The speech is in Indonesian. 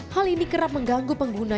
hal ini kerap mengganggu pengguna